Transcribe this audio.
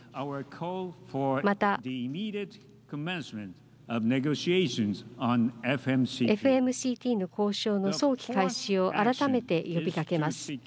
またＦＭＣＴの早期開始を改めて呼びかけます。